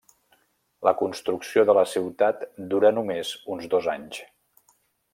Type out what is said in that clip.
La construcció de la ciutat durà només uns dos anys.